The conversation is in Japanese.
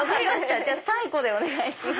じゃあ３個でお願いします。